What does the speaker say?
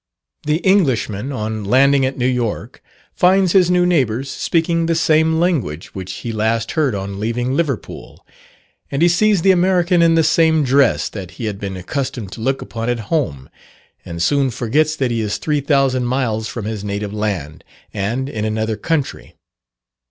The Englishman on landing at New York finds his new neighbours speaking the same language which he last heard on leaving Liverpool, and he sees the American in the same dress that he had been accustomed to look upon at home, and soon forgets that he is three thousand miles from his native land, and in another country.